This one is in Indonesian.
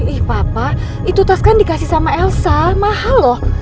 ih papa itu tas kan dikasih sama elsa mahal loh